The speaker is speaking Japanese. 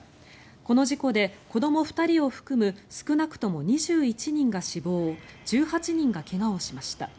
この事故で子ども２人を含む少なくとも２１人が死亡１８人が怪我をしました。